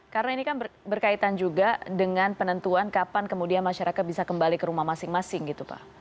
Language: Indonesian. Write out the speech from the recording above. karena ini kan berkaitan juga dengan penentuan kapan kemudian masyarakat bisa kembali ke rumah masing masing gitu pak